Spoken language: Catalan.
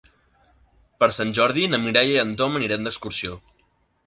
Per Sant Jordi na Mireia i en Tom aniran d'excursió.